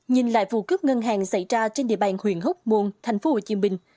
nhìn lại vụ cướp ngân hàng xảy ra trên địa bàn huyện hóc môn thành phố hồ chí minh